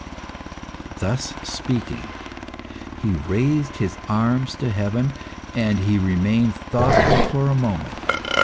'" Thus speaking, he raised his arms to heaven, and he remained thoughtful a moment.